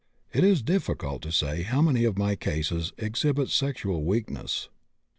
It is difficult to say how many of my cases exhibit sexual weakness.